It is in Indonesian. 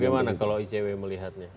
bagaimana kalau icw melihatnya